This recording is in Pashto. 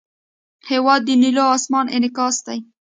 هېواد د نیلو آسمان انعکاس دی.